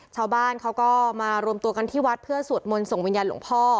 ชาวบ้านเขาก็มารวมตัวกันที่วัดเพื่อสวดมนต์ส่งวิญญาณหลวงพ่อ